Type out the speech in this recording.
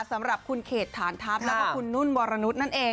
สำหรับคุณเขตฐานทัพแล้วก็คุณนุ่นวรนุษย์นั่นเอง